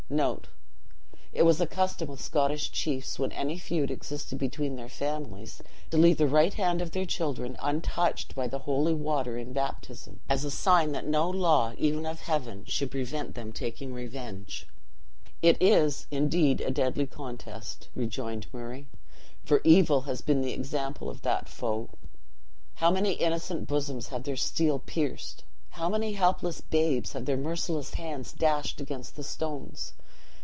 '" It was a custom with Scottish chiefs when any feud existed between their families, to leave the right hand of their children untouched by the holy water in baptism, as a sign that no law, even of Heaven, should prevent them taking revenge. "It is, indeed a deadly contest," rejoined Murray; "for evil has been the example of that foe. How many innocent bosoms have their steel pierced! How many helpless babes have their merciless hands dashed against the stones!